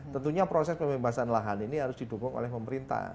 tentunya proses pembebasan lahan ini harus didukung oleh pemerintah